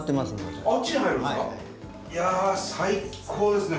いや最高ですね